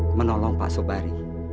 saya harus menolong pak sobari